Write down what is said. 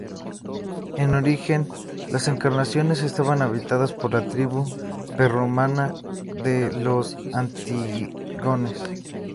En origen, las Encartaciones estaban habitadas por la tribu prerromana de los autrigones.